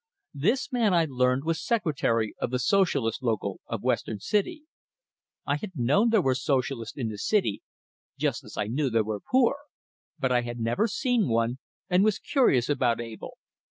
This man, I learned, was secretary of the Socialist local of Western City. I had known there were Socialists in the city, just as I knew there were poor, but I had never seen one, and was curious about Abell.